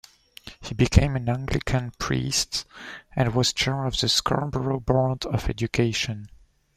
He became an Anglican priest, and was chair of the Scarborough Board of Education.